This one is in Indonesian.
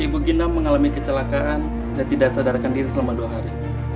ibu gina mengalami kecelakaan dan tidak sadarkan diri selama dua hari